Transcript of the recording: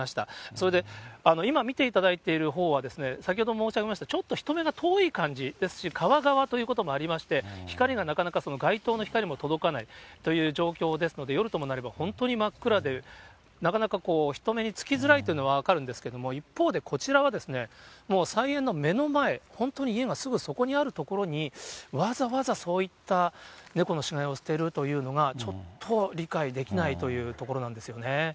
それで、今、見ていただいているほうは、先ほど申し上げました、ちょっと人目が遠い感じ、ですし、川側ということもありまして、光がなかなか街灯の光も届かないという状況ですので、夜ともなれば、本当に真っ暗で、なかなか人目につきづらいっていうのは分かるんですけれども、一方で、こちらは菜園の目の前、本当に家がすぐそこにある所に、わざわざそういった猫の死骸を捨てるというのが、ちょっと理解できないというところなんですよね。